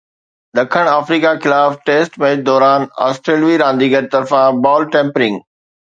ڏکڻ آفريڪا خلاف test match دوران آسٽريلوي رانديگر طرفان بال ٽيمپرنگ